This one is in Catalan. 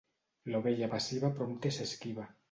L'ovella baciva prompte s'esquiva.